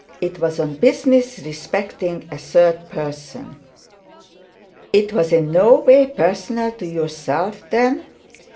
It was on business respecting a third person.' 'It was in no way personal to yourself, then?'